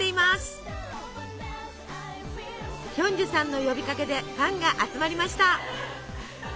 ヒョンジュさんの呼びかけでファンが集まりました。